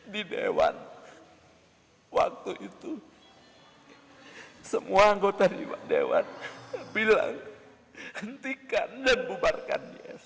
di dewan waktu itu semua anggota di dewan bilang hentikan dan bubarkan